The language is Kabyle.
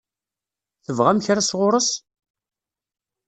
Tebɣam kra sɣur-s?